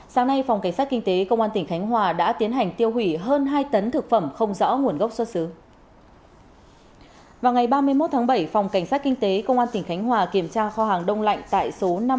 cảnh sát kinh tế công an tỉnh khánh hòa kiểm tra kho hàng đông lạnh tại số năm mươi tám trên tám mươi chín trên một mươi bảy lương định của